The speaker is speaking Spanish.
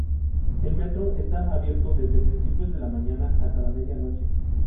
El metro está abierto desde principios de la mañana hasta la medianoche.